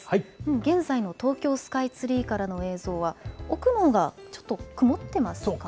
現在の東京スカイツリーからの映像は、奥のほうがちょっと曇ってますかね。